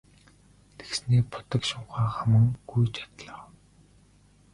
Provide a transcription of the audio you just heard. Тэгснээ будаг шунхаа хаман гүйж одлоо.